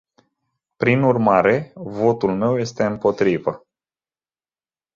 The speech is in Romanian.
Prin urmare, votul meu este împotrivă.